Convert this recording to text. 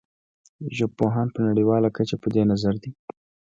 ژبپوهان په نړیواله کچه په دې نظر دي